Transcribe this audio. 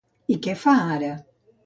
I què fa ara?